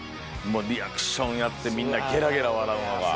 リアクションやってみんなゲラゲラ笑うのが。